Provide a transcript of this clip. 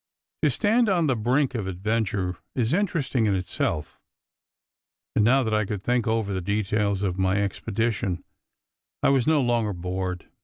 To stand on the brink of adventure is interesting in itself, and now that I could think over the details of my expedition I was no longer bored.